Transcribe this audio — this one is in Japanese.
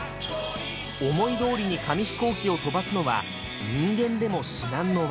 思いどおりに紙飛行機を飛ばすのは人間でも至難の業。